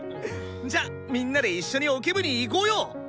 じゃみんなで一緒にオケ部に行こうよ！